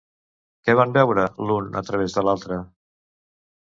Què van veure, l'un a través de l'altre?